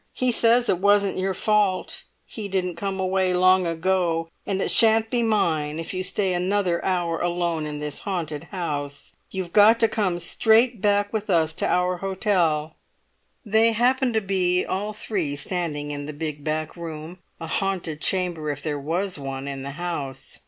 He says it wasn't your fault he didn't come away long ago; and it shan't be mine if you stay another hour alone in this haunted house. You've got to come straight back with us to our hotel." They happened to be all three standing in the big back room, a haunted chamber if there was one in the house.